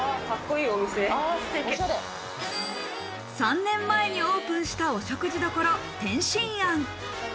３年前にオープンしたお食事処・点心庵。